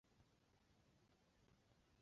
车站排队排了一票人